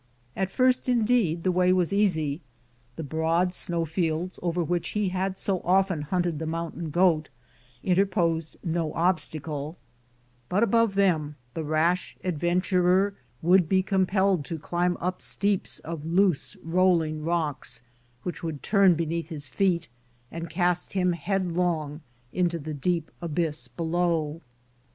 At first, indeed, the way was easy. The broad snow fields, over which he had so often hunted the mountain goat, interposed no obstacle, but above them the rash adventurer would be compelled to climb up steeps of loose, rolling rocks, which would turn beneath his feet and cast him head long into the deep abyss below.